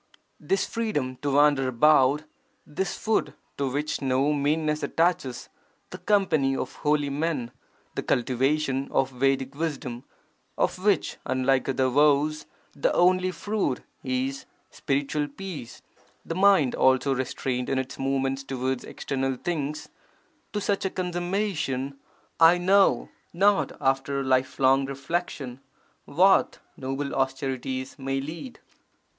This freedom to wander about, this food to which no meanness attaches, the company of holy men, the cultivation of Vedic wisdom, of which (unlike other vows) the only fruit is spiritual peace, the mind also restrained in its movements towards external things — to such a consummation, I know not after lifelong reflection, what noble austerities may lead!